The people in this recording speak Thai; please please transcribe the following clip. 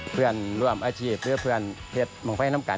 เพื่อนรวมอาชีพหรือเพื่อนเห็นเบิ่งไฟน้ำกัน